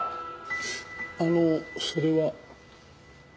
あのそれは？